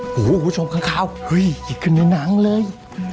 โหผู้ชมข้างขาวเห้ยอยู่ขึ้นในนั้งเลย